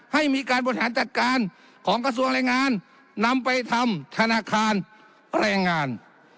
ให้มีการบริหารจัดการของกระทรวงแรงงานนำไปทำธนาคารแรงงาน